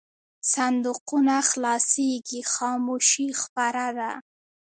صندوقونه خلاصېږي خاموشي خپره ده.